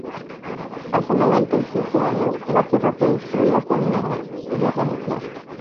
Hace noventa y siete años, la Tierra fue destruida por una guerra nuclear.